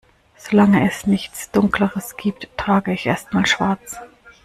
Solange es nichts Dunkleres gibt, trage ich erst mal Schwarz.